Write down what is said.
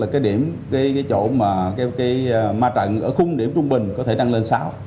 cái điểm cái chỗ mà cái ma trận ở khung điểm trung bình có thể tăng lên sáu